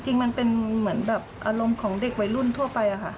จริงมันเป็นเหมือนแบบอารมณ์ของเด็กวัยรุ่นทั่วไปค่ะ